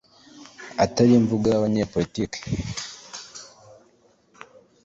atari imvugo y’abanyepolitiki